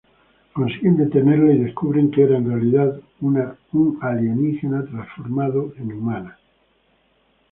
Consiguen detenerla y descubren que era en realidad un alienígena transformada en humana.